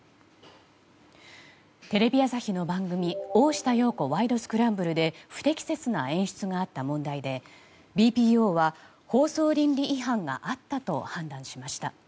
テレビ朝日の番組「大下容子ワイド！スクランブル」で不適切な演出があった問題でＢＰＯは放送倫理違反があったと判断しました。